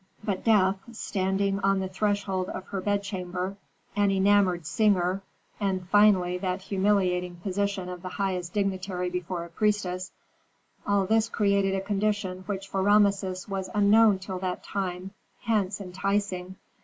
But Death, standing on the threshold of her bedchamber, an enamored singer, and, finally, that humiliating position of the highest dignitary before a priestess, all this created a condition which for Rameses was unknown till that time, hence enticing.